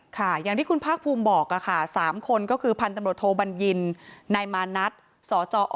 ค่ะอย่างที่คุณพากภูมิบอกค่ะ๓คนก็คือพันธบทโภบัญญินนายมานัดสออ